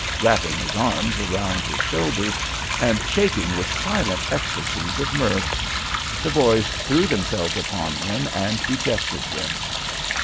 wrapping his arms about his shoulders and shaking with silent ecstasies of mirth. The boys threw themselves upon him and ejected him.